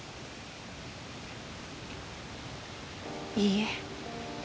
いいえ。